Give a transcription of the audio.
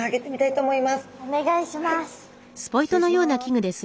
お願いします。